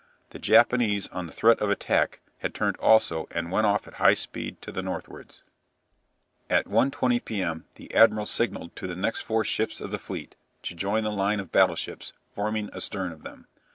The Japanese on the threat of attack had turned also and went off at high speed to the northwards. At 1.20 p.m. the admiral signalled to the four next ships of the fleet to join the line of battleships, forming astern of them.